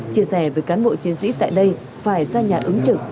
chia sẻ với cán bộ chiến sĩ tại đây phải ra nhà ứng trực